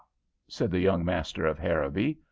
said the young master of Harrowby.